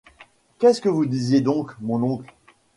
Qu’est-ce que vous disiez donc, mon oncle ?